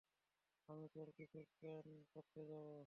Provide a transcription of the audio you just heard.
আমি তোর কিছু কেন করতে যাবো?